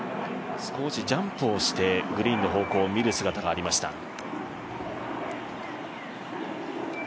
少しジャンプしてグリーンの方向を見る姿がありました。